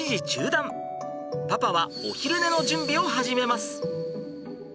パパはお昼寝の準備を始めます。